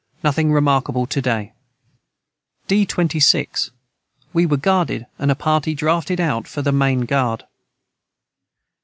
Nothing remarkable to day. D 26. We were guarded and a party draughted out for the mane guard.